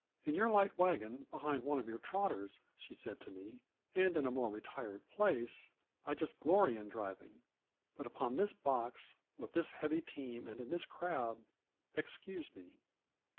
"In your light wagon, behind one of your trotters," she said to me " and in a more retired place, I just glory in driving, but upon this box, with this heavy team and in this crowd, excuse me."